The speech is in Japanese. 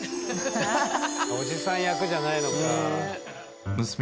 おじさん役じゃないのか。